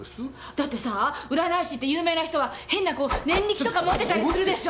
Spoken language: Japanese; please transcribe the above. だってさ占い師って有名な人は変なこう念力とか持ってたりするでしょ？